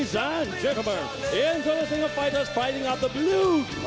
สองนึก